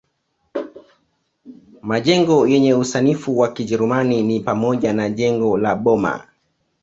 Majengo yenye usanifu wa kijerumani ni pamoja na jengo la Boma